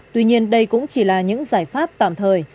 tuy nhiên đây cũng chỉ là những giải pháp tạm thời